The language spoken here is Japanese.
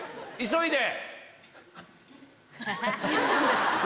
急いで！